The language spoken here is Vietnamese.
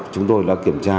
chúng tôi đã kiểm tra